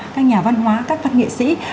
các nhà văn hóa các văn nghệ sĩ